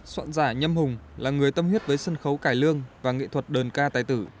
soạn giả nhâm hùng là người tâm huyết với sân khấu cải lương và nghệ thuật đơn ca tài tử